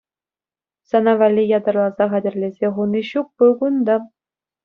Сана валли ятарласа хатӗрлесе хуни ҫук пуль кунта?